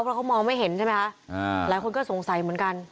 เพราะเขามองไม่เห็นใช่ไหมคะหลายคนก็สงสัยเหมือนกัน